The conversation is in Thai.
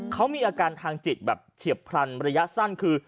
เขามีอาการทางจิตแบบเฉียบพลันระยะสั้นคือ